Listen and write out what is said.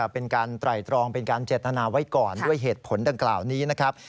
เป็นการไตรตรองเป็นการเจตนาไว้ก่อนด้วยเหตุผลดังกล่าวนี้นะครับ